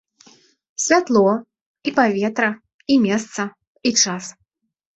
Святло, і паветра, і месца, і час.